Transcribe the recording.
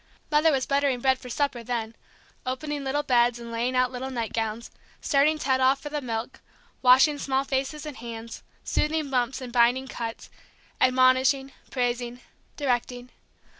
Mother was buttering bread for supper, then; opening little beds and laying out little nightgowns, starting Ted off for the milk, washing small hands and faces, soothing bumps and binding cuts, admonishing, praising, directing.